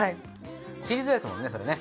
切りづらいですもんねそれね。